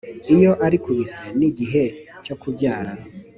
iyo ari ku bise n igihe cyo kubyara